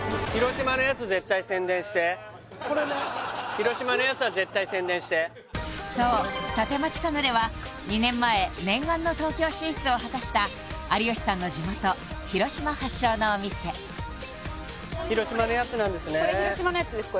広島のやつ絶対そう立町カヌレは２年前念願の東京進出を果たした有吉さんの地元広島発祥のお店広島のやつなんですね広島のやつです